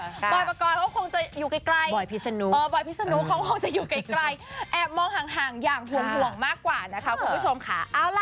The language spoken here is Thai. บอยปกรณ์เขาคงจะอยู่ใกล้แอบมองห่างอย่างห่วงมากกว่านะคะคุณผู้ชมค่ะ